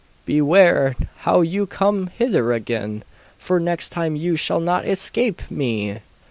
beware how you come hither again, for next time you shall not escape me!